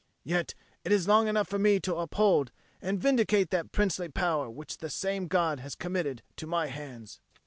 Yet it is long enough for me to uphold and vindicate that princely power which the same God has committed to my hands.